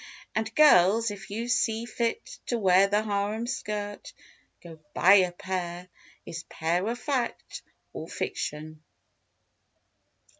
And girls, if you see fit to wear The harem skirt, go buy a "pair"— Is "pair" a fact or fiction?